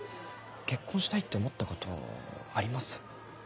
結婚したいって思ったことあります？